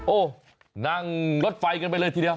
โอ้โหนั่งรถไฟกันไปเลยทีเดียว